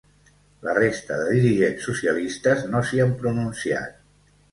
La resta de dirigents socialistes no s’hi han pronunciat.